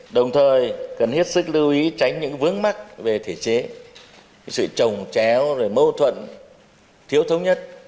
đồng thời cần hết sức lưu ý tránh những vướng mắt về thể chế sự trồng chéo mâu thuẫn thiếu thống nhất